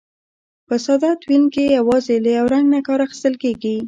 په ساده تلوین کې یوازې له یو رنګ نه کار اخیستل کیږي.